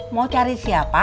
mau cari siapa